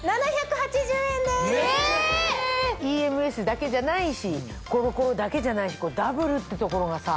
ＥＭＳだけじゃないしコロコロだけじゃないしダブルってところがさ